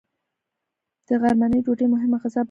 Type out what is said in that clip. د غرمنۍ ډوډۍ مهمه غذا بلل کېږي